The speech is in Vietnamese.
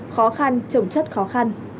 khó khăn trồng chất khó khăn